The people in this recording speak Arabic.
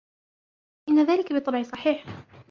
إن ذلك بالطبع صحيح.